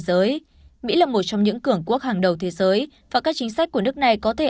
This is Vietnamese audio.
giới mỹ là một trong những cường quốc hàng đầu thế giới và các chính sách của nước này có thể